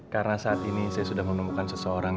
karena saat ini saya sudah menemukan seseorang